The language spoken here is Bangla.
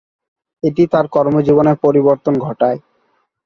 এটি তার কর্মজীবনে পরিবর্তন ঘটায়।